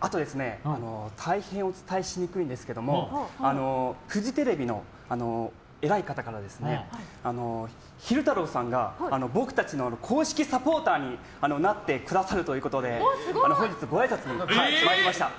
あと、大変お伝えしにくいんですけどもフジテレビの偉い方から昼太郎さんが僕たちの公式サポーターになってくださるということで本日、ごあいさつに参りました。